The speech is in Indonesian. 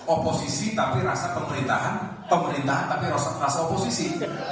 oposisi tapi rasa pemerintahan pemerintahan tapi rasa rasa oposisi